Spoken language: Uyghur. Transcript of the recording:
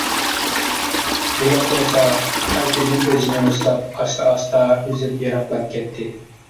بېلىق بولسا قايتىدىن ئۆزىنى رۇسلاپ، ئاستا-ئاستا ئۈزۈپ يىراقلاپ كەتتى.